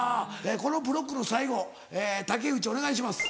このブロックの最後竹内お願いします。